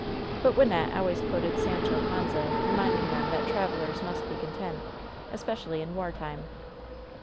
But Wynnette always quoted Sancho Panza, remind ing them that "Travelers must be content," especially in war time.